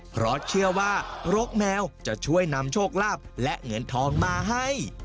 เพราะเชื่อว่ารกแมวจะช่วยนำโชคลาภและเงินทองมาให้